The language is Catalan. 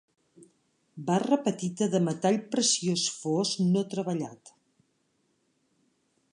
Barra petita de metall preciós fos no treballat.